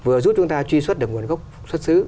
vừa giúp chúng ta truy xuất được nguồn gốc xuất xứ